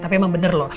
tapi emang bener loh